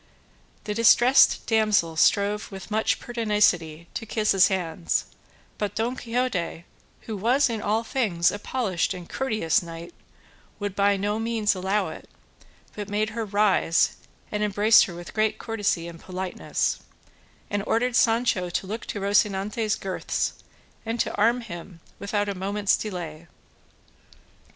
The distressed damsel strove with much pertinacity to kiss his hands; but Don Quixote, who was in all things a polished and courteous knight, would by no means allow it, but made her rise and embraced her with great courtesy and politeness, and ordered Sancho to look to Rocinante's girths, and to arm him without a moment's delay.